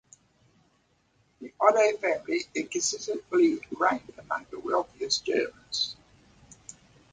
The Otto family is consistently ranked among the wealthiest Germans.